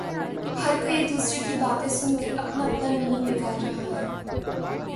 ہر کوئی ایک دوسرے کی باتیں سن کر اپنا اپنا مینینگ نکال رہا ہے